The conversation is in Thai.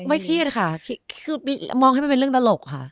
ไม่เครียดค่ะคือมองให้มันเป็นเรื่องตลกค่ะ